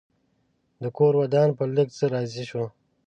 ده کور ودان په لږ څه راضي شو.